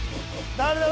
誰だ？